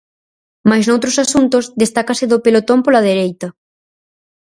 Mais noutros asuntos destácase do pelotón pola dereita.